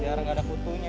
biar enggak ada kutunya